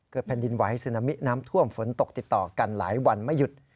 แผ่นดินไหวซึนามิน้ำท่วมฝนตกติดต่อกันหลายวันไม่หยุด